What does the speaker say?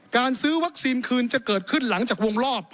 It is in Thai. การซื้อวัคซีนคืนจะเกิดขึ้นหลังจากวงรอบ